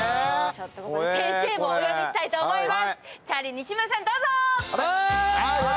先生をお呼びしたいと思います。